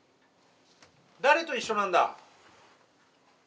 誰と一緒なんだ？